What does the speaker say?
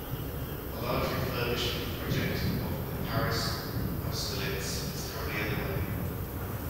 A large refurbishment project of the Paris Austerlitz is currently underway.